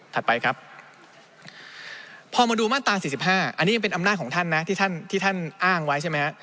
ไปครับพอมาดูมาตรา๔๕อันนี้ยังเป็นอำนาจของท่านนะที่ท่านที่ท่านอ้างไว้ใช่ไหมฮะ